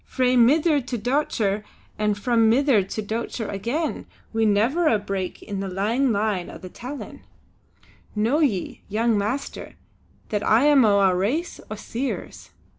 Frae mither to dochter, and from mither to dochter again, wi' never a break in the lang line o' the tellin'. Know ye, young master, that I am o' a race o' Seers.